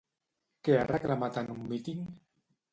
Què ha reclamat en un míting?